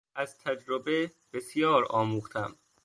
از تجربه بسیار آموختم.